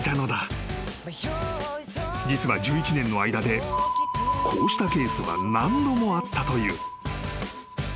［実は１１年の間でこうしたケースは何度もあったという］